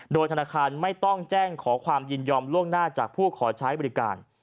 โดยธนาคารไม่ต้องแจ้งขอความยินยอมล่วงหน้าจากผู้ขอใช้บริการ